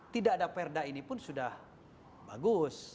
tidak ada perda ini pun sudah bagus